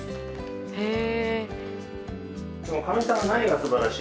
へえ。